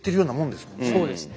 そうですね。